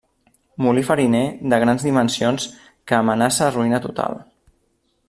Molí fariner de grans dimensions que amenaça ruïna total.